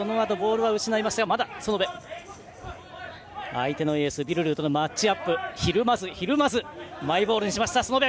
相手のエースビルルーとのマッチアップにひるまずにマイボールにした園部。